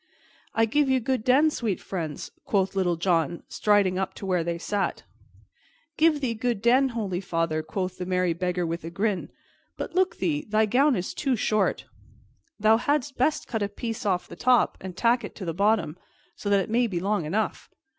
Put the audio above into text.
"I give you good den, sweet friends," quoth Little John, striding up to where they sat. "Give thee good den, holy father," quoth the merry Beggar with a grin. "But look thee, thy gown is too short. Thou hadst best cut a piece off the top and tack it to the bottom, so that it may be long enough.